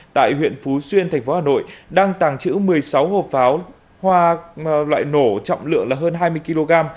tại huyện phú xuyên thành phố hà nội đang tảng chữ một mươi sáu hộp pháo hoa loại nổ trọng lượng hơn hai mươi kg